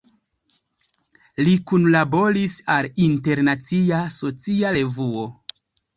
Li kunlaboris al "Internacia Socia Revuo.